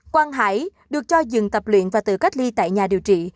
quang hải được cho dừng tập luyện và tự cách ly tại nhà điều trị